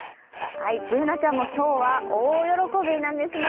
Ｂｏｏｎａちゃんも今日は大喜びなんですね。